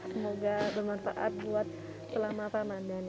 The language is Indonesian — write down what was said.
semoga bermanfaat buat selama ramadan